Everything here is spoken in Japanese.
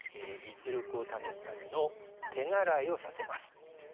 実力を試すための手習いをさせます。